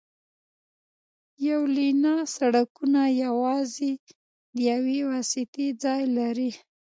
یو لینه سړکونه یوازې د یوې واسطې ځای لري